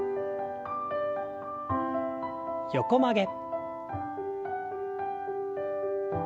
横曲げ。